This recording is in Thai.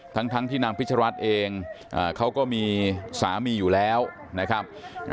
ทั้งที่นางพิชรัฐเองเขาก็มีสามีอยู่แล้วนะครับ